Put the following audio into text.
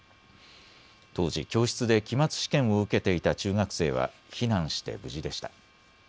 当時、教室で期末試験を受けていた中学生は避難して無事でした。